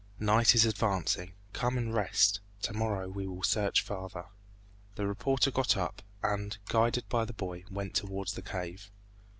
Night is advancing. Come and rest! To morrow we will search farther." The reporter got up, and guided by the boy went towards the cave.